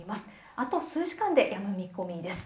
あと数時間でやむ見込みです。